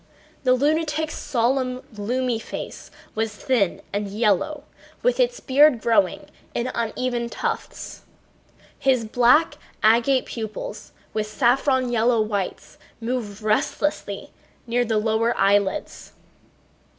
The lunatic's solemn, gloomy face was thin and yellow, with its beard growing in uneven tufts. His black, agate pupils with saffron yellow whites moved restlessly near the lower eyelids.